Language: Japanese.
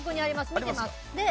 見てます。